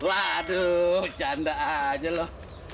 waduh bercanda aja loh